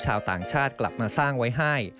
ชาวต่างชาติกลับมาสร้างไว้ให้